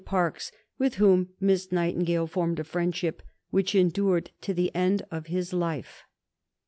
Parkes, with whom Miss Nightingale formed a friendship which endured to the end of his life.